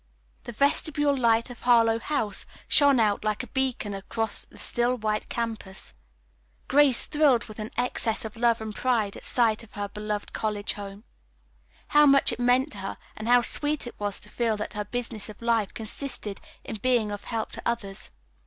The vestibule light of Harlowe House shone out like a beacon across the still white campus. Grace thrilled with an excess of love and pride at sight of her beloved college home. How much it meant to her, and how sweet it was to feel that her business of life consisted in being of help to others.